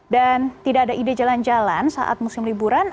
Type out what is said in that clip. dan tidak ada ide jalan jalan saat musim liburan